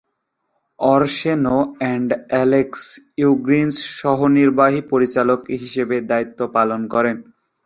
অরসেনো এবং Alex Wiggins সহ-নির্বাহী পরিচালক হিসেবে দায়িত্ব পালন করেন।